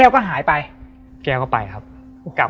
เพื่อที่จะให้แก้วเนี่ยหลอกลวงเค